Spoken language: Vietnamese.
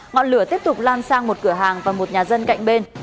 ngọn lửa tiếp tục lan sang một cửa hàng và một nhà dân cạnh bên